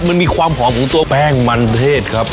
มันมีความหอมของตัวแป้งมันเพศครับ